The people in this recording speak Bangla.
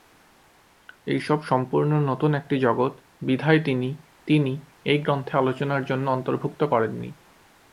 এইসব সম্পূর্ণ নতুন একটি জগৎ বিধায় তিনি তিনি এই গ্রন্থে আলোচনার জন্য অন্তর্ভুক্ত করেন নি।